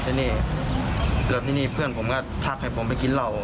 แล้วที่นี่เฟื่อนผมก็ทักให้ผมไปกินเหล่า